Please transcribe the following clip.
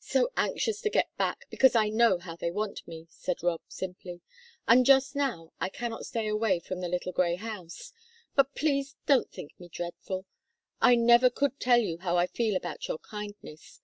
"So anxious to get back, because I know how they want me," said Rob, simply. "And just now I cannot stay away from the little grey house. But please don't think me dreadful I never could tell you how I feel about your kindness.